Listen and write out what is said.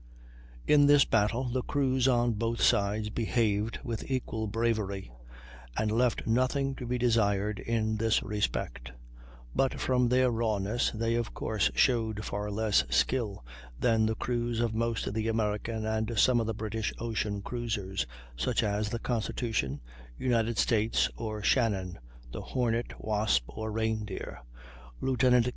In this battle the crews on both sides behaved with equal bravery, and left nothing to be desired in this respect; but from their rawness they of course showed far less skill than the crews of most of the American and some of the British ocean cruisers, such as the Constitution, United States, or Shannon, the Hornet, Wasp, or Reindeer, Lieut.